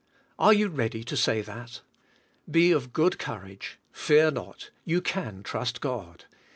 Are you ready to say that? Be of good courage; fear not, you can trust God.